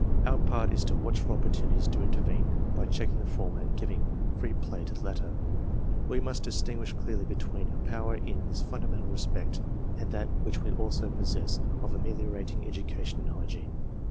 Our part is to watch for opportunities to intervene by checking the former and giving free play to the latter. We must distinguish clearly between our power in this fundamental respect and that which we also possess of ameliorating education and hygiene.